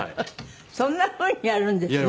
そんなふうにやるんですね。